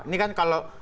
ini kan kalau